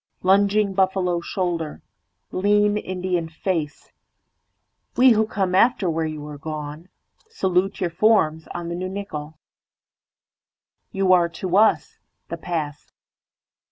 Lunging buffalo shoulder, Lean Indian face, We who come after where you are goneSalute your forms on the new nickel. You areTo us:The past.